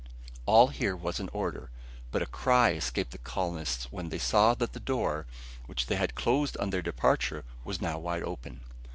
All here was in order; but a cry escaped the colonists when they saw that the door, which they had closed on their departure, was now wide open.